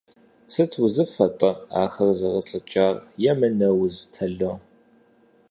Сыт узыфэ-тӀэ ахэр зэрылӀыкӀар, – емынэ уз, тало?